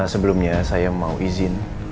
sebelumnya saya mau izin